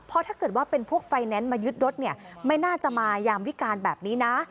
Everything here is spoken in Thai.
เพราะถ้าเกิดว่าเป็นพวกไฟแนนซ์มายึดรถเนี่ยไม่น่าจะมายามวิการแบบนี้นะ